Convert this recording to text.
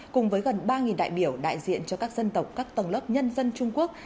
cùng với gần ba đại biểu đại diện cho các dân tộc các tầng lớp nhân dân trung quốc